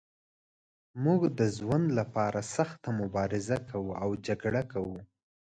موږ د ژوند لپاره سخته مبارزه کوو او جګړه کوو.